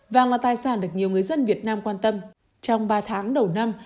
vàng là tài sản được nhiều người dân việt nam quan tâm trong ba tháng đầu năm